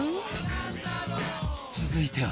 続いては